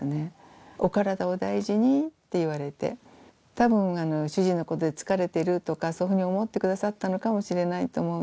多分主人のことで疲れてるとかそういうふうに思ってくださったのかもしれない。